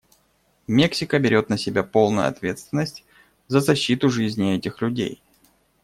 Мексика берет на себя полную ответственность за защиту жизни этих людей.